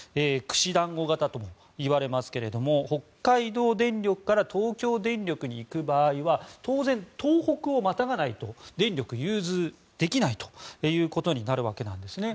串団子型ともいわれますけれども北海道電力から東京電力に行く場合は当然、東北をまたがないと電力は融通できないということになるわけですね。